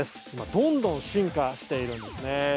今どんどん進化しているんですね。